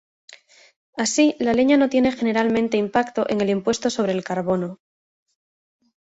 Así, la leña no tiene generalmente impacto en el impuesto sobre el carbono.